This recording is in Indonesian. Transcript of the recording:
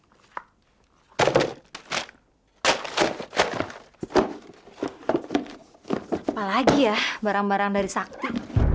apa lagi ya barang barang dari sakti